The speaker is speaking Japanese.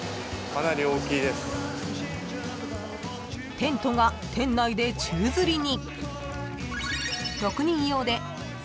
［テントが店内で宙づりに］